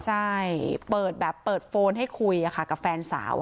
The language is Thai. ใช่เปิดแบบเปิดโฟนให้คุยกับแฟนสาว